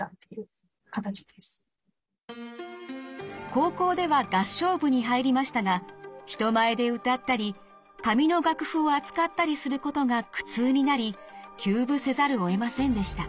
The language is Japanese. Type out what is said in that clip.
高校では合唱部に入りましたが人前で歌ったり紙の楽譜を扱ったりすることが苦痛になり休部せざるをえませんでした。